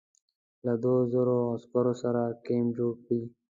له دوو زرو عسکرو سره کمپ جوړ کړی.